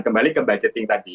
kembali ke budgeting tadi